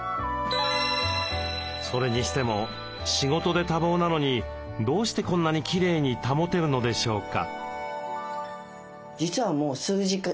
それにしても仕事で多忙なのにどうしてこんなにきれいに保てるのでしょうか？